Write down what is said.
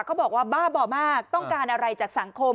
บอกว่าบ้าบ่อมากต้องการอะไรจากสังคม